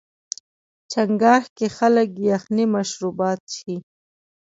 چنګاښ کې خلک یخني مشروبات څښي.